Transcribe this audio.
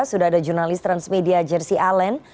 sudah ada jurnalis transmedia jersey allen